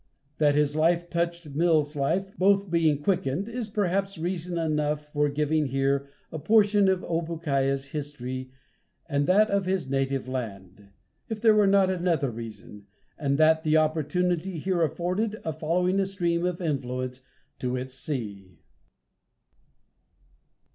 That his life touched Mills' life, both being quickened, is perhaps reason enough for giving here a portion of Obookiah's history and that of his native land, if there were not another reason, and that the opportunity, here afforded, of following a stream of influence to its sea.